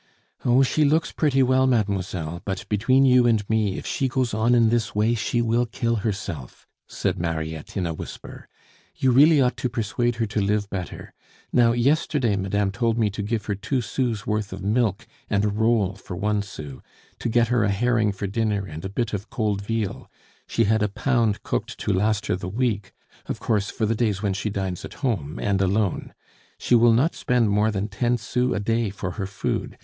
"Oh, she looks pretty well, mademoiselle; but between you and me, if she goes on in this way, she will kill herself," said Mariette in a whisper. "You really ought to persuade her to live better. Now, yesterday madame told me to give her two sous' worth of milk and a roll for one sou; to get her a herring for dinner and a bit of cold veal; she had a pound cooked to last her the week of course, for the days when she dines at home and alone. She will not spend more than ten sous a day for her food.